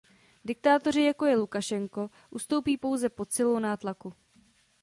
Diktátoři, jako je Lukašenko, ustoupí pouze pod silou nátlaku.